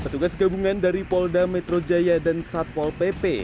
petugas gabungan dari polda metro jaya dan satpol pp